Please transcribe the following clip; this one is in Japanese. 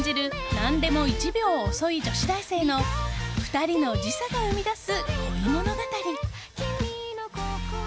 何でも１秒遅い女子大生の２人の時差が生み出す恋物語。